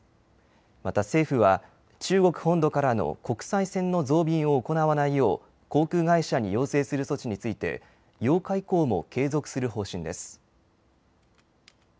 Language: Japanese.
また政府は中国本土からの国際線の増便を行わないよう航空会社に要請する措置について８日以降も継続する方針です。